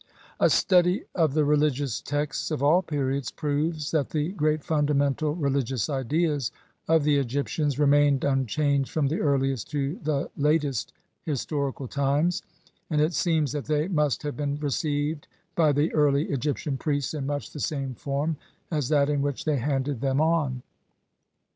A study of the religious texts of all periods proves that the great fundamental religious ideas of the Egyp tians remained unchanged from the earliest to the lat est historical times, and it seems that they must have been received by the early Egyptian priests in much the same form as that in which they handed them on.